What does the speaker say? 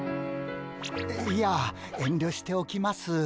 いや遠慮しておきます。